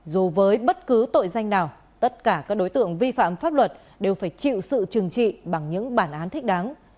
dù với bất cứ tội danh nào tất cả các đối tượng vi phạm pháp luật đều phải chịu sự trừng trị bằng những bản án thích đáng